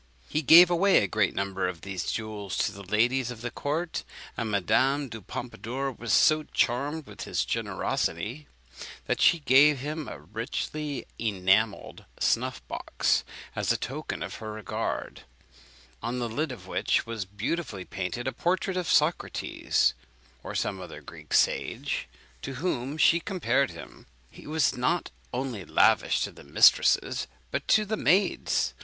He gave away a great number of these jewels to the ladies of the court; and Madame du Pompadour was so charmed with his generosity, that she gave him a richly enamelled snuff box as a token of her regard, on the lid of which was beautifully painted a portrait of Socrates, or some other Greek sage, to whom she compared him. He was not only lavish to the mistresses, but to the maids.